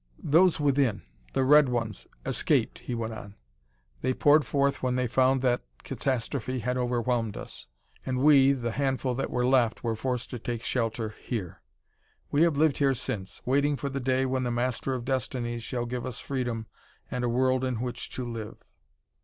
"Those within the red ones escaped," he went on. "They poured forth when they found that catastrophe had overwhelmed us. And we, the handful that were left, were forced to take shelter here. We have lived here since, waiting for the day when the Master of Destinies shall give us freedom and a world in which to live."